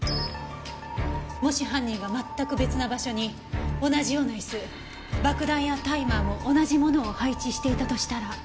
もし犯人が全く別な場所に同じようなイス爆弾やタイマーも同じものを配置していたとしたら。